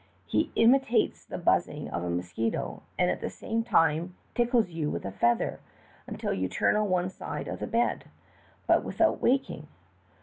He imitates the buz zing of a mosquito, and at the same time tickles you with the feather until you turn to one side of the bed, but without waking.